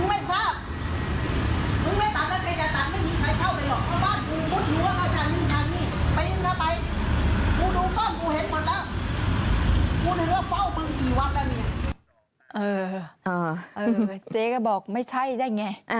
เจ๊ก็บอกไม่ใช่ได้ไง